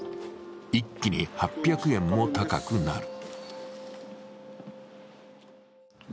一気に８００円も高くなる。